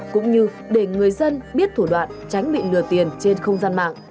cũng như để người dân biết thủ đoạn tránh bị lừa tiền trên không gian mạng